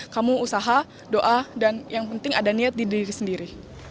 kamu usaha doa dan yang penting ada niat di diri sendiri